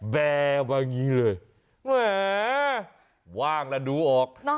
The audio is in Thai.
แบบอ้างงี้เลยแหว่ว่างแล้วดูออก